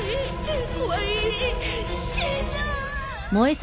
怖い死ぬ